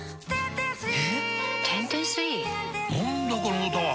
何だこの歌は！